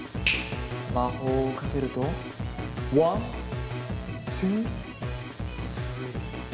魔法をかけるとワンツースリー。